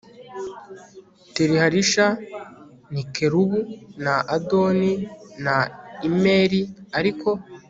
Teliharisha n i Kerubu na Adoni na Imeri ariko